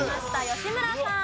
吉村さん。